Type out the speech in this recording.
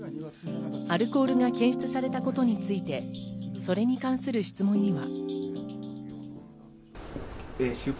アルコールが検出されたことについて、それに関する質問には。